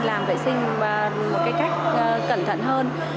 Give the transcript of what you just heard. làm vệ sinh một cách cẩn thận hơn